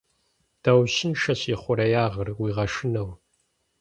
Даущыншэщ ихъуреягъыр, уигъэшынэу.